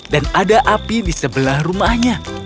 dan ada api di sebelah rumahnya